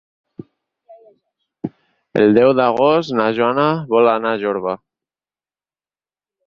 El deu d'agost na Joana vol anar a Jorba.